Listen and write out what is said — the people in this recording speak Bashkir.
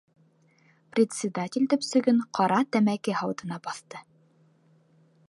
- Председатель төпсөгөн ҡара тәмәке һауытына баҫты.